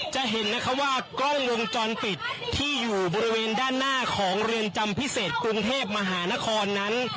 จะเห็นนะคะว่ากล้องวงจรปิดที่อยู่บริเวณด้านหน้าของเรือนจำพิเศษกรุงเทพมหานครนั้น